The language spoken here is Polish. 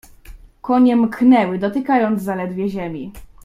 "Konie mknęły, dotykając zaledwie ziemi."